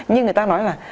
nhưng người ta nói là